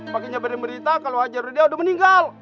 pak haji nyabarin berita kalau haji rudia udah meninggal